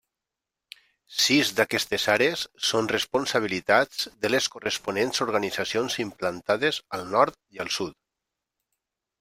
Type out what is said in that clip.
Sis d'aquestes àrees són responsabilitats de les corresponents Organitzacions implantades al nord i al sud.